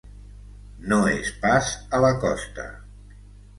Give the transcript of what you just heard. No és pas a la costa.